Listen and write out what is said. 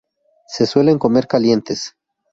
Se suelen comer calientes.